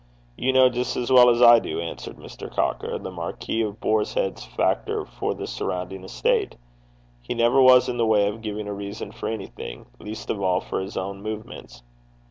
'You know just as well as I do,' answered Mr. Cocker, the Marquis of Boarshead's factor for the surrounding estate. 'He never was in the way of giving a reason for anything, least of all for his own movements.'